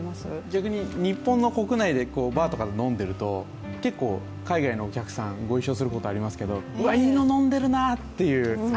逆に日本の国内でバーとかで飲んでいると結構海外のお客さんご一緒することありますけれども、うわ、いいの飲んでるなっていう。